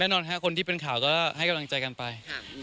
แน่นอนค่ะคนที่เป็นข่าวก็ให้กำลังใจกันไป